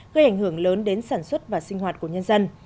gây ảnh hưởng lớn đến sản xuất và sinh hoạt của nhân dân